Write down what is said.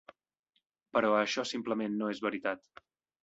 Però això simplement no és veritat.